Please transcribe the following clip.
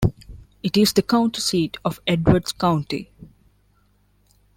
It is the county seat of Edwards County.